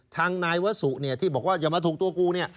ทางนายวสุที่บอกว่าอย่ามาถูกตัวกู